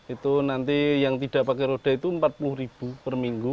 itu nanti yang tidak pakai roda itu rp empat puluh per minggu